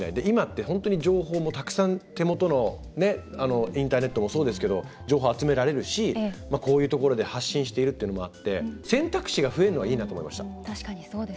今って情報ってたくさん手元のインターネットもそうですけど情報を集められるしこういうところで発信しているっていうのもあって選択肢が増えるのはいいなと思いました。